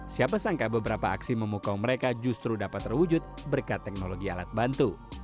siapa sangka beberapa aksi memukau mereka justru dapat terwujud berkat teknologi alat bantu